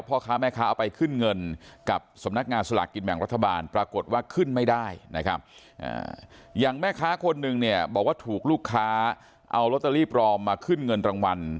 พ่อค้าแม่ค้าเอาไปขึ้นเงินกับสำนักงานสลักกินแบ่งรัฐบาล